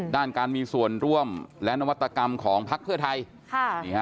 ด้านการมีส่วนร่วมและนวัตกรรมของพักเพื่อไทย